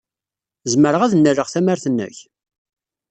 Zemreɣ ad nnaleɣ tamart-nnek?